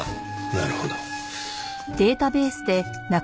なるほど。